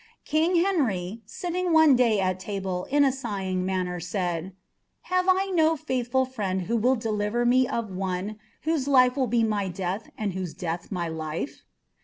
: Henry, sitting one day at table, in a sighing manner said, " Have thful friend who will deliver me of one whose life will be my mil whose death my life